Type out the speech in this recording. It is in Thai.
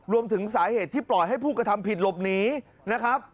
รวมถึงสาเหตุที่ปล่อยให้ผู้กระทำผิดหลบหนีนะครับ